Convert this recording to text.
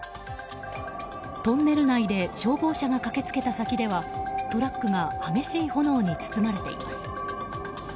トンネル内で消防車が駆け付けた先ではトラックが激しい炎に包まれています。